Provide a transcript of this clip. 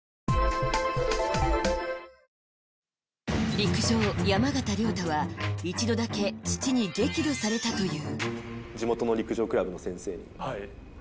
陸上、山縣亮太は一度だけ父に激怒されたという。